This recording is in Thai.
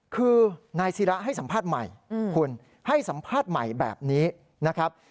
คือนายศิระให้สัมภาษณ์ใหม่คุณให้สัมภาษณ์ใหม่แบบนี้นะครับ